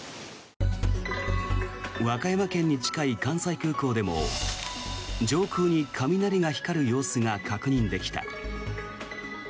和歌山県に近い関西空港でも上空に雷が光る様子が確認できた。